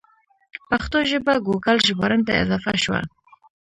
پښتو ژبه ګوګل ژباړن ته اضافه شوه.